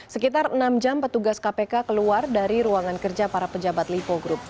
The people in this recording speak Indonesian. sekitar enam jam petugas kpk keluar dari ruangan kerja para pejabat lipo group